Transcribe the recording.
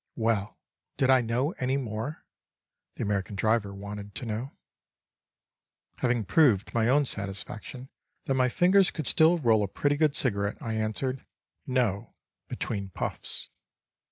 Well! Did I know any more?—the American driver wanted to know. Having proved to my own satisfaction that my fingers could still roll a pretty good cigarette, I answered: "No," between puffs.